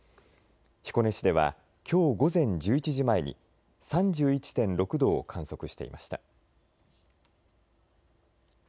彦根市ではきょう午前１１時前に３１．６度を観測していました。